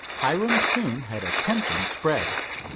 Hiram soon had a tempting spread.